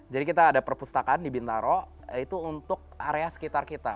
jadi kita ada perpustakaan di bintaro itu untuk area sekitar kita